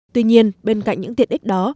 tuy nhiên bên cạnh những tiện ích đó